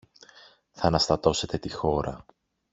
Θ' αναστατώσετε τη χώρα!